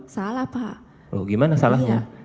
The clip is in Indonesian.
salah pak gimana salahnya